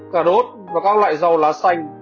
cà rốt và các loại rau lá xanh